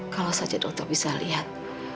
kalau saja dokter bisa lihat